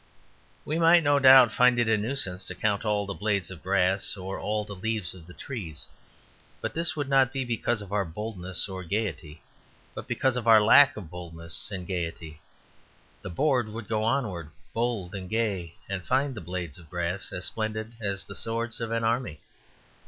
We might, no doubt, find it a nuisance to count all the blades of grass or all the leaves of the trees; but this would not be because of our boldness or gaiety, but because of our lack of boldness and gaiety. The bore would go onward, bold and gay, and find the blades of grass as splendid as the swords of an army.